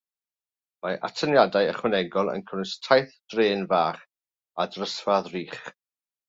Mae atyniadau ychwanegol yn cynnwys taith drên fach a drysfa ddrych.